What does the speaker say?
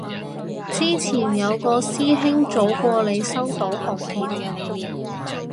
之前有個師兄早過你收到紅帖